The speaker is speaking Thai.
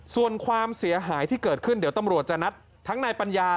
ส่วนความเสียหายที่เกิดขึ้นเดี๋ยวตำรวจจะนัดทั้งนายปัญญา